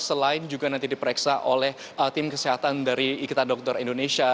selain juga nanti diperiksa oleh tim kesehatan dari ikatan dokter indonesia